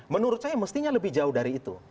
menurut saya mestinya lebih jauh dari itu